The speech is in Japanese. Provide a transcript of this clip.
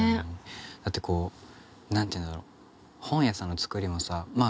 だってこう何て言うんだろう本屋さんの造りもさまあ